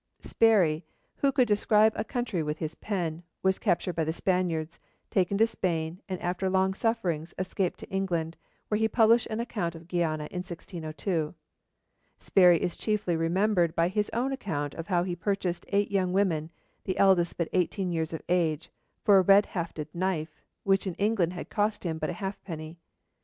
Sparrey, who 'could describe a country with his pen,' was captured by the Spaniards, taken to Spain, and after long sufferings escaped to England, where he published an account of Guiana in 1602. Sparrey is chiefly remembered by his own account of how he purchased eight young women, the eldest but eighteen years of age, for a red hafted knife, which in England had cost him but a halfpenny.